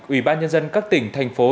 ủy ban nhân dân các tỉnh thành phố